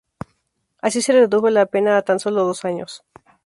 Así se le redujo la pena a tan sólo dos años.